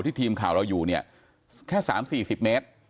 ทีมข่าวเราอยู่เนี่ยแค่๓๔๐เมตร